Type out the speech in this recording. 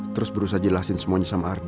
terus berusaha jelasin semuanya sama ardi